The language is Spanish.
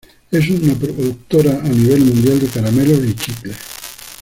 Es una productora a nivel mundial de caramelos y chicle.